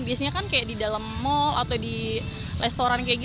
biasanya kan kayak di dalam mall atau di restoran